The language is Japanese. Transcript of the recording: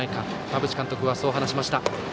馬淵監督は、そう話しました。